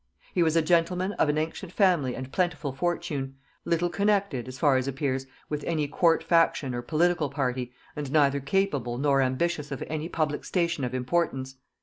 He was a gentleman of ancient family and plentiful fortune, little connected, as far as appears, with any court faction or political, party, and neither capable nor ambitious of any public station of importance.